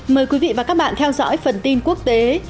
mời quý vị và các bạn theo dõi phần tin quốc tế